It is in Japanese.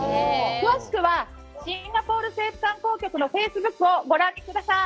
詳しくはシンガポール政府観光局のフェイスブックをご覧ください。